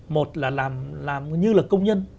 một là làm như là công nhân